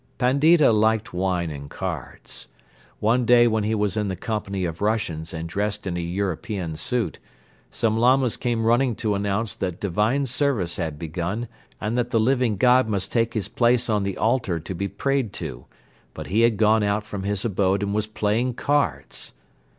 Pandita liked wine and cards. One day when he was in the company of Russians and dressed in a European suit, some Lamas came running to announce that divine service had begun and that the "Living God" must take his place on the altar to be prayed to but he had gone out from his abode and was playing cards!